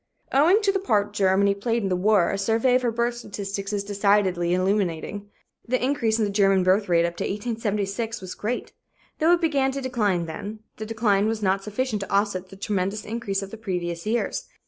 Owing to the part Germany played in the war, a survey of her birth statistics is decidedly illuminating. The increase in the German birth rate up to 1876 was great. Though it began to decline then, the decline was not sufficient to offset the tremendous increase of the previous years.